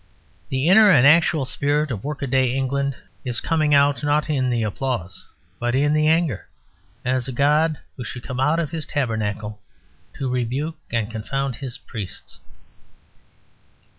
The inner and actual spirit of workaday England is coming out not in applause, but in anger, as a god who should come out of his tabernacle to rebuke and confound his priests.